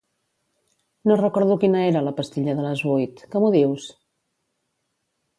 No recordo quina era la pastilla de les vuit, que m'ho dius?